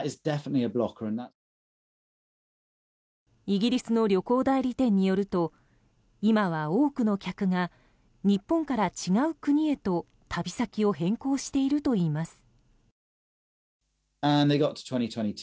イギリスの旅行代理店によると今は、多くの客が日本から違う国へと旅先を変更しているといいます。